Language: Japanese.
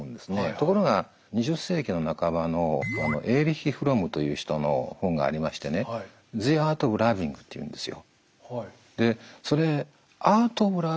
ところが２０世紀の半ばのエーリッヒ・フロムという人の本がありましてねっていうんですよ。